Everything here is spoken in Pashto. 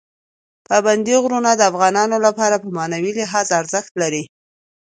پابندي غرونه د افغانانو لپاره په معنوي لحاظ ارزښت لري.